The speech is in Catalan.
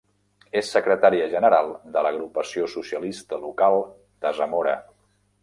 És secretària general de l'agrupació socialista local de Zamora.